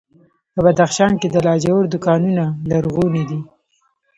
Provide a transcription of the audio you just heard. په بدخشان کې د لاجوردو کانونه لرغوني دي